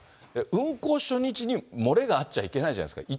運航初日に漏れがあっちゃいけないじゃないですか。